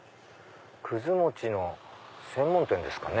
もちの専門店ですかね？